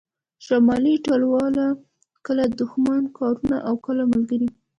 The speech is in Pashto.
شمالي ټلواله کله دوښمن کاروي او کله ملګری